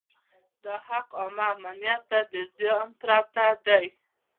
دا حق عامه امنیت ته د زیان پرته دی.